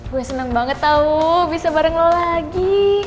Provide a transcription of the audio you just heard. gue senang banget tau bisa bareng lo lagi